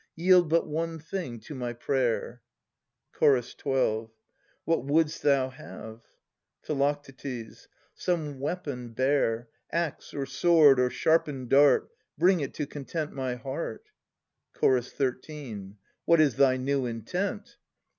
Yield but one thing to my prayer! Ch. 12. What wouldst thou have? Phi. Some weapon bare. Axe or sword or sharpened dart. Bring it to content my heart. Ch. 13. What is thy new intent?